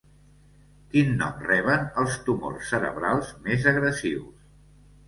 Quin nom reben els tumors cerebrals més agressius?